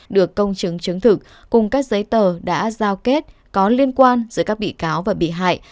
được công chứng chứng thực cùng các giấy tờ đã giao kết có liên quan giữa các bị cáo và bị hại